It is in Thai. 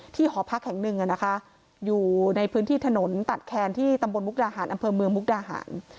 หอพักแห่งหนึ่งอยู่ในพื้นที่ถนนตัดแคนที่ตำบลมุกดาหารอำเภอเมืองมุกดาหาร